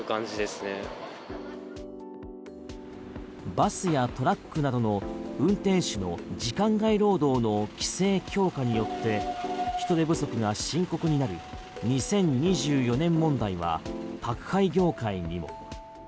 バスやトラックなどの運転手の時間外労働の規制強化によって人手不足が深刻になる２０２４年問題は宅配業界にも。